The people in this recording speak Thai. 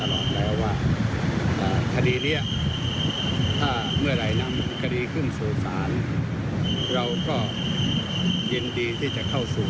และเมื่อมีปอดีเกิดขึ้น